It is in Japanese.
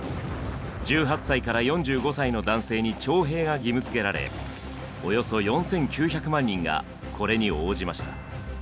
１８歳から４５歳の男性に徴兵が義務づけられおよそ４，９００万人がこれに応じました。